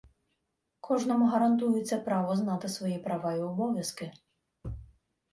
Кожному гарантується право знати свої права і обов'язки